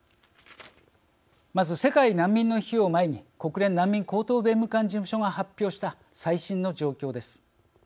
まず、世界難民の日を前に国連難民高等弁務官事務所が発表した最新の状況です。